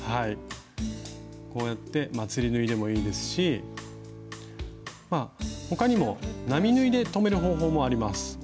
こうやってまつり縫いでもいいですしまあ他にもなみ縫いで留める方法もあります。